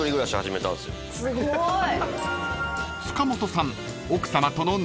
すごい。